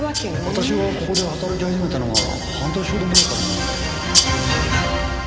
私がここで働き始めたのは半年ほど前からなので。